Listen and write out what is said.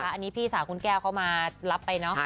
อันนี้พี่สาวคุณแก้วเขามารับไปเนอะ